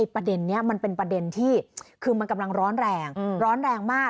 ประเด็นนี้มันเป็นประเด็นที่คือมันกำลังร้อนแรงร้อนแรงมาก